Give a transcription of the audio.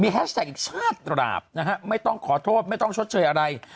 แฮชแท็กอีกชาติตราบนะฮะไม่ต้องขอโทษไม่ต้องชดเชยอะไร